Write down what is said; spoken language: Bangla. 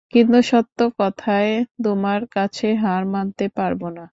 কিন্তু সত্য কথায় তোমার কাছে হার মানতে পারব না।